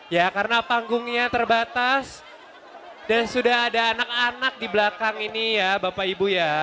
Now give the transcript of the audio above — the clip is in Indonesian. ya karena panggungnya terbatas dan sudah ada anak anak di belakang ini ya bapak ibu ya